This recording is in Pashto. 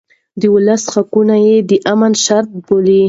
د ولس حقونه يې د امن شرط بلل.